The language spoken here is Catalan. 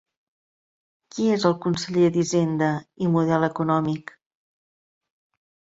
Qui és el conseller d'Hisenda i Model Econòmic?